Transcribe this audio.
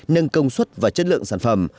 nâng công suất và chất lượng sản phẩm